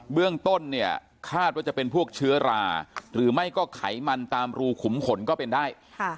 เรื่องต้นเนี่ยคาดว่าจะเป็นพวกเชื้อราหรือไม่ก็ไขมันตามรูขุมขนก็เป็นได้